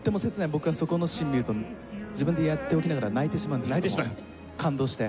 僕はそこのシーン見ると自分でやっておきながら泣いてしまうんですけども感動して。